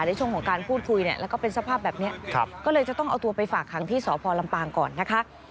ในช่วงของการพูดคุยเนี่ยแล้วก็เป็นสภาพแบบนี้ก็เลยจะต้องเอาตัวไปฝากขังที่สพลำปางก่อนนะคะ